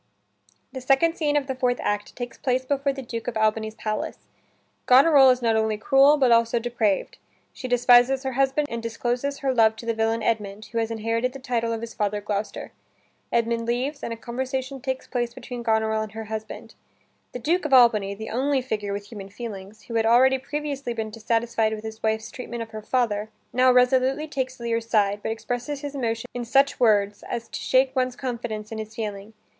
The second scene of the fourth act takes place before the Duke of Albany's palace. Goneril is not only cruel, but also depraved. She despises her husband and discloses her love to the villain Edmund, who has inherited the title of his father Gloucester. Edmund leaves, and a conversation takes place between Goneril and her husband. The Duke of Albany, the only figure with human feelings, who had already previously been dissatisfied with his wife's treatment of her father, now resolutely takes Lear's side, but expresses his emotion in such words as to shake one's confidence in his feeling.